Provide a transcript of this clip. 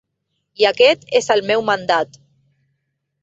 I aquest és el meu mandat.